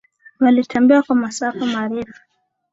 Walitembea kwa masafa marefu